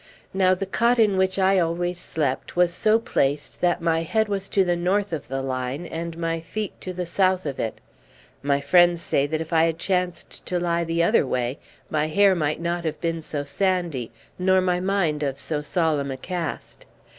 Now the cot in which I always slept was so placed that my head was to the north of the line and my feet to the south of it. My friends say that if I had chanced to lie the other way my hair might not have been so sandy, nor my mind of so solemn a cast.